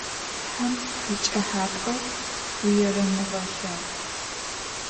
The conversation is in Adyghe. Тхьам пкӏыхьапӏэу уерэмыгъэлъэгъу.